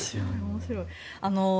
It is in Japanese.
面白い。